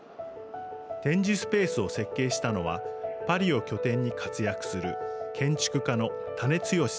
展示スペースを設計したのはパリを拠点に活躍する建築家の田根剛さん。